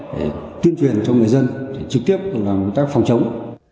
để tuyên truyền cho người dân để trực tiếp làm công tác phòng chống